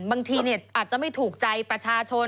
บางทีอาจจะไม่ถูกใจประชาชน